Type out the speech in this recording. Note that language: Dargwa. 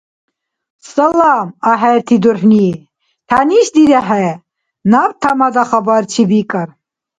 Салам, ахӀерти дурхӀни! ТянишидирехӀе. Наб Тамада-хабарчи бикӀар.